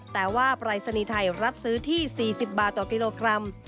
แต่ว่าปรายศนีย์ไทยรับซื้อที่๔๐บาทต่อกิโลกรัม